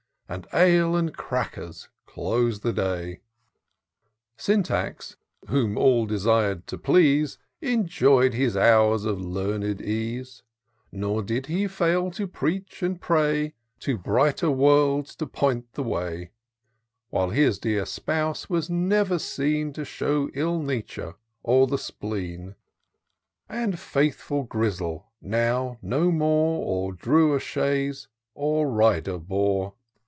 And ale and crackers close the day. Syntax, whom all desir'd to please, Enjoy'd his hours of learned ease ; Nor did he fail to preach and pray, To brighter worlds to point the way ; While his dear spouse was never seen To shew ill nature or the spleen ; IN SEARCH OF THE PICTURESaUE. 361 And faithful Grizzle now no more Or drew a chaise, or rider bore.